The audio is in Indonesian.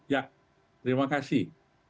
ya terima kasih